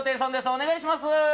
お願いします